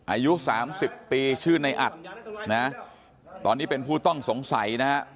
อายุสามสิบปีชื่อในอัดนะตอนนี้เป็นผู้ต้องสงสัยนะฮะ